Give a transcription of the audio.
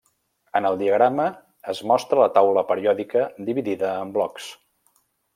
En el diagrama es mostra la taula periòdica dividida en blocs.